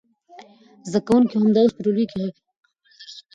زده کوونکي همدا اوس په ټولګي کې خپل درسونه لولي.